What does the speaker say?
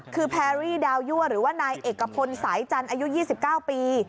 คือแพรรี่ดาวยั่วหรือว่านายเอกพลสายจันทร์อายุ๒๙ปี